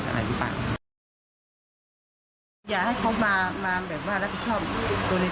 ตายตอนนั้นต้องแก่กว่านี้